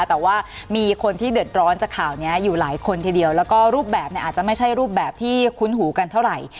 แต่ว่ามีคนที่เดือดร้อนจากข่าวนี้อยู่หลายคนทีเดียวแล้วก็รูปแบบเนี่ยอาจจะไม่ใช่รูปแบบที่คุ้นหูกันเท่าไหร่